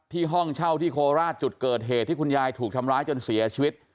ห้องเช่าที่โคราชจุดเกิดเหตุที่คุณยายถูกทำร้ายจนเสียชีวิต